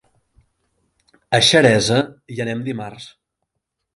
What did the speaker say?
A Xeresa hi anem dimarts.